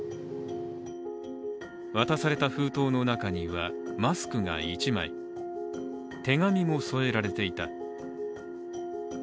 渡された封筒の中にはマスクが１枚手紙も添えられていた。